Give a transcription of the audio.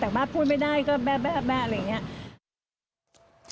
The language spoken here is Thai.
ตั้งแต่มาพูดไม่ได้ก็แม่แม่อะไรอย่างเงี้ย